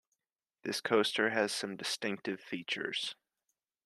This coaster has some distinctive features.